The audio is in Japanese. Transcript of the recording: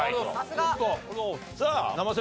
さあ生瀬